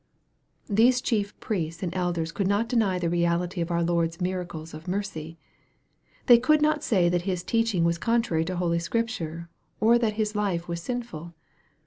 These chief priests and elders could not deny the reality of our Lord's miracles of mercy. They could not say that His teaching was contrary to Holy Scripture, or that His life was sinful.